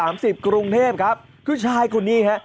เบิร์ตลมเสียโอ้โห